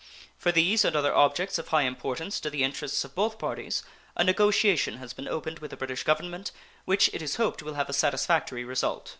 For these and other objects of high importance to the interests of both parties a negotiation has been opened with the British Government which it is hoped will have a satisfactory result.